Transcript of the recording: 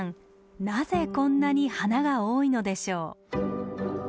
なぜこんなに花が多いのでしょう？